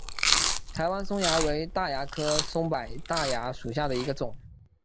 台湾松蚜为大蚜科松柏大蚜属下的一个种。